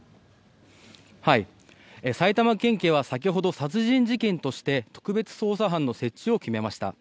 埼玉県警は先ほど、殺人事件として特別捜査班の設置を決めました。